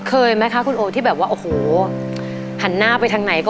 เคยมั้ยคะคุณโอกที่แบบว่าโอ๊ะโฮ